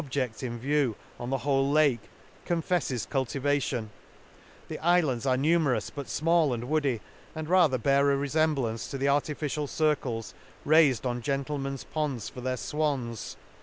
je<5l in view, on the whole Lake confeffe? cuitivation ;— the inlands are numerous, but fmall and woody, and rather bear a refemblance to the artificial circles railed on gentlemen's ponds for their fwans.